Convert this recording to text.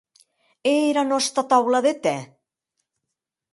E era nòsta taula de tè?